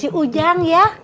si ujang ya